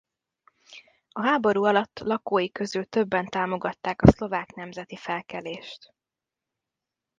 A háború alatt lakói közül többen támogatták a szlovák nemzeti felkelést.